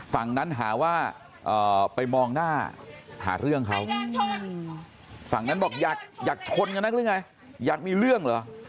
ฝั่งนั้นหาว่าไปมองหน้าหาเรื่องเขาฝั่งนั้นบอกอยากมีเรื่องหรอ